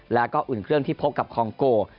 แล้วก็อุ่นเครื่องที่พบกับคองโก